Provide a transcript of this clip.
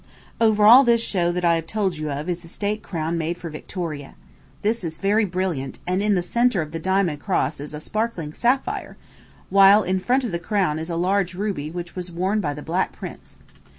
Over all this show that I have told you of is the state crown made for Victoria. This is very brilliant, and in the centre of the diamond cross is a sparkling sapphire, while in front of the crown is a large ruby which was worn by the Black Prince.